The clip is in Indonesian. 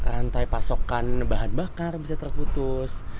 rantai pasokan bahan bakar bisa terputus